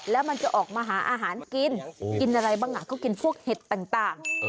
แล้วมันจะออกมาหาอาหารกินกินอะไรบ้างก็กินพวกเห็ดต่าง